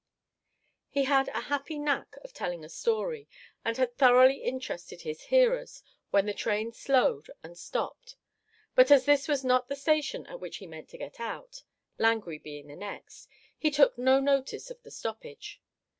He had a happy knack of telling a story, and had thoroughly interested his hearers when the train slowed and stopped, but as this was not the station at which he meant to get out Langrye being the next he took no notice of the stoppage.